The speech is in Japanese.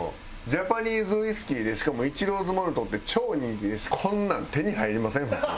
ジャパニーズウイスキーでしかもイチローズモルトって超人気ですしこんなの手に入りません普通。